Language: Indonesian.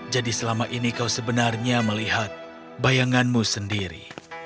jadi selama ini kau sebenarnya melihat bayanganmu sendiri